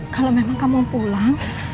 kalau memang kamu pulang